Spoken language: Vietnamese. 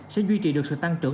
sẽ duy trì được sự tăng trưởng